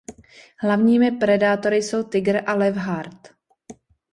Hlavními predátory jsou tygr a levhart.